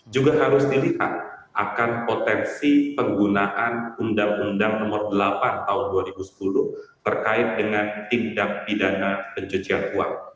juga harus dilihat akan potensi penggunaan undang undang nomor delapan tahun dua ribu sepuluh terkait dengan tindak pidana pencucian uang